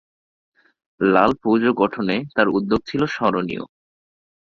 লাল ফৌজ গঠনে তার উদ্যোগ ছিল স্মরণীয়।